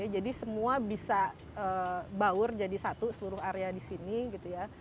semua bisa baur jadi satu seluruh area di sini gitu ya